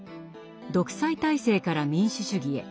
「独裁体制から民主主義へ」。